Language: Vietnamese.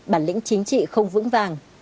bản lĩnh chính trị không vững vàng